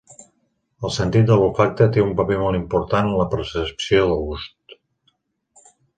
El sentit de l'olfacte té un paper molt important en la percepció del gust.